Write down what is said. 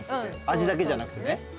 味だけじゃなくてね。